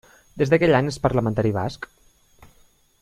Des d'aquell any, és parlamentari basc.